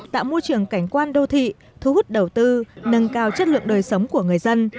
tạo môi trường cảnh quan đô thị thu hút đầu tư nâng cao chất lượng đời sống của người dân